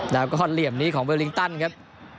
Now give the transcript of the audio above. แล้วก็เหลี่ยมนี้ของเวลิงตันครับ